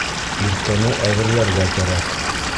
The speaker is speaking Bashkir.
Иркәне әҙерләргә кәрәк.